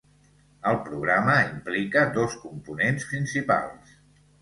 El programa implica dos components principals.